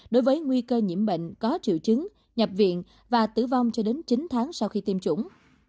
đối với nguy cơ nhiễm bệnh có triệu chứng nhập viện và tử vong cho đến chín tháng sau khi tiêm chủng